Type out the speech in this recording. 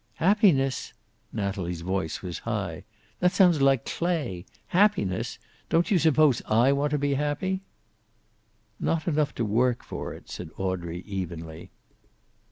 "Happiness!" Natalie's voice was high. "That sounds like Clay. Happiness! Don't you suppose I want to be happy?" "Not enough to work for it," said Audrey, evenly.